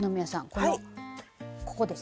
このここですね